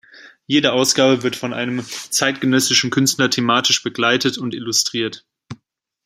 Jede Ausgabe wird von einem zeitgenössischen Künstler thematisch begleitet und illustriert.